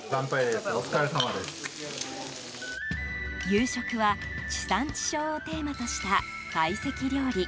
夕食は地産地消をテーマとした会席料理